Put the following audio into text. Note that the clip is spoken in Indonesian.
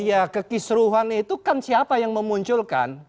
ya kekisruhan itu kan siapa yang memunculkan